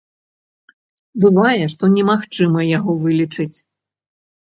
Бывае, што немагчыма яго вылічыць.